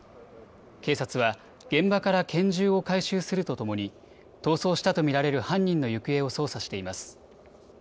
警察は現場から拳銃を回収するとともに逃走したと見られる犯人の行方を捜査しています。